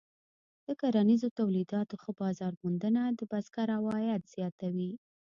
د کرنیزو تولیداتو ښه بازار موندنه د بزګر عواید زیاتوي.